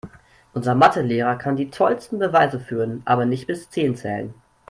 Unser Mathe-Lehrer kann die tollsten Beweise führen, aber nicht bis zehn zählen.